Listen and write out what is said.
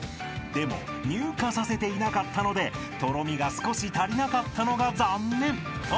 ［でも乳化させていなかったのでとろみが少し足りなかったのが残念とのこと］